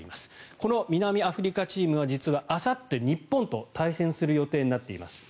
この南アフリカチームは実はあさって日本と対戦する予定となっています。